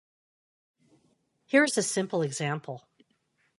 Here is a simple example.